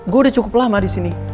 gue udah cukup lama disini